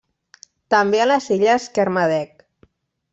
També a les Illes Kermadec.